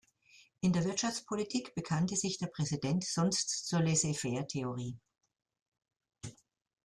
In der Wirtschaftspolitik bekannte sich der Präsident sonst zur Laissez-faire-Theorie.